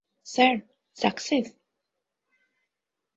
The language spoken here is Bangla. Sir, success?